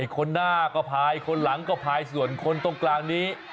คนหน้าก็พายคนหลังก็พายส่วนคนตรงกลางนี้